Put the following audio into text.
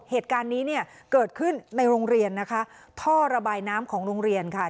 เหตุการณ์นี้เนี่ยเกิดขึ้นในโรงเรียนนะคะท่อระบายน้ำของโรงเรียนค่ะ